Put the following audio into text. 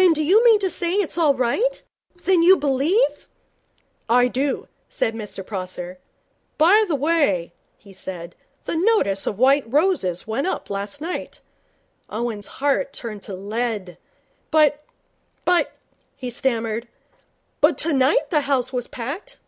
'Then do you mean to say that it's all right that you believe ' 'I do,' said Mr Prosser. 'By the way,' he said, 'the notice of White Roses went up last night.' Owen's heart turned to lead. 'But but ' he stammered. 'But tonight the house was packed.'